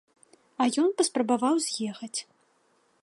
А ён паспрабаваў з'ехаць.